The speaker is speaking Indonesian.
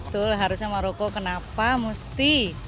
tuh harusnya maroko kenapa mesti